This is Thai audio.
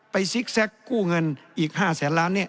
ซิกแก๊กกู้เงินอีก๕แสนล้านเนี่ย